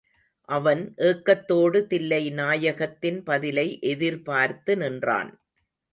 அவன் ஏக்கத்தோடு தில்லைநாயகத்தின் பதிலை எதிர்பார்த்து நின்றான்.